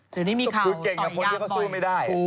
หรือนี่มีเข่าต่อยยากบ่อยถูก